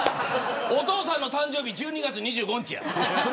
お父さんの誕生日１２月２５日や。